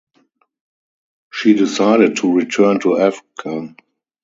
She decided to return to Africa.